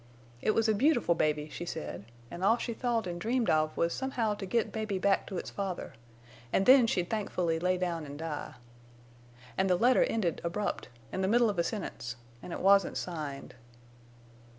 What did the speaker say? It was a beautiful baby, she said, an' all she thought an' dreamed of was somehow to get baby back to its father, an' then she'd thankfully lay down and die. An' the letter ended abrupt, in the middle of a sentence, en' it wasn't signed.